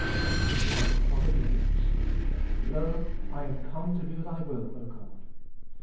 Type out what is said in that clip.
His life of obedience: L0, 1 am come to do Thy will, O God.